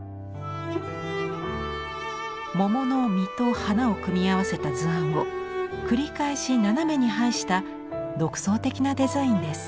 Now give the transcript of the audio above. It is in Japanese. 桃の実と花を組み合わせた図案を繰り返し斜めに配した独創的なデザインです。